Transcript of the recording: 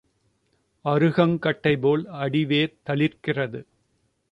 அறுகங் கட்டைபோல் அடிவேர் தளிர்க்கிறது.